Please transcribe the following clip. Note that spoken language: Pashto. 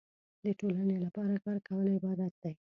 د ټولنې لپاره کار کول عبادت دی.